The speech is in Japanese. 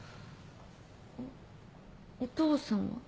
あっお父さんは？